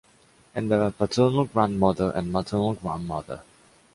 And then paternal grandmother and maternal grandmother.